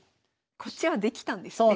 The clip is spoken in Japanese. こっちはできたんですね。